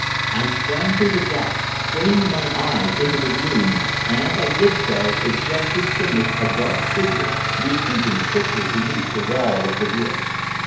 I sprang through the gap, straining my eyes into the gloom, and as I did so could just distinguish a dark figure receding quickly beneath the wall of the wood.